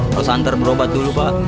harus antar berobat dulu pak